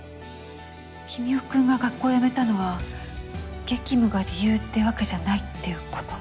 君雄君が学校辞めたのは激務が理由ってわけじゃないっていうこと？